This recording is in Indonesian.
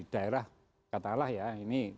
daerah katalah ya ini